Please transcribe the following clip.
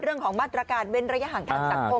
เรื่องของมาตรการเว้นระยะห่างทางสังคม